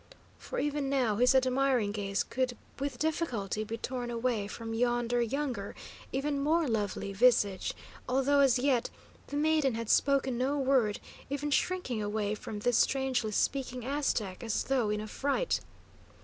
For even now his admiring gaze could with difficulty be torn away from yonder younger, even more lovely, visage; although as yet the maiden had spoken no word, even shrinking away from this strangely speaking Aztec as though in affright.